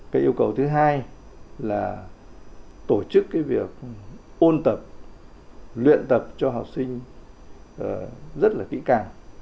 cái yêu cầu thứ hai là tổ chức cái việc ôn tập luyện tập cho học sinh rất là kỹ càng